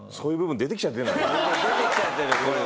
出てきちゃってるこれは。